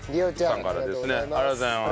ありがとうございます。